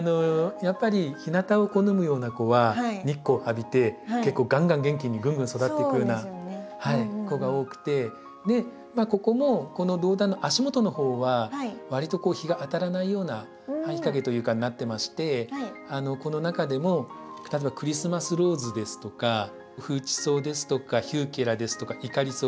やっぱり日なたを好むような子は日光を浴びて結構がんがん元気にぐんぐん育っていくような子が多くてここもこのドウダンの足元の方はわりと日が当たらないような半日陰というかになってましてこの中でも例えばクリスマスローズですとかフウチソウですとかヒューケラですとかイカリソウ